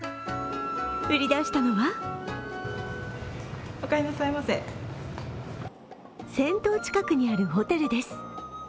売り出したのは銭湯近くにあるホテルです。